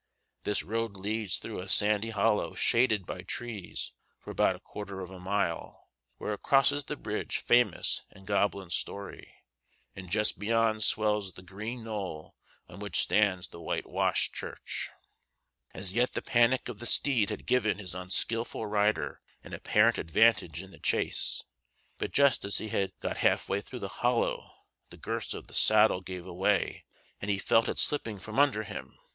This road leads through a sandy hollow shaded by trees for about a quarter of a mile, where it crosses the bridge famous in goblin story, and just beyond swells the green knoll on which stands the whitewashed church. As yet the panic of the steed had given his unskillful rider an apparent advantage in the chase; but just as he had got halfway through the hollow the girths of the saddle gave away and he felt it slipping from under him.